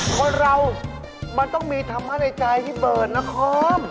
คนเรามันต้องมีธรรมะในใจพี่เบิร์ดนคร